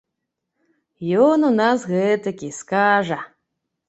Ён у нас гэтакі, скажа.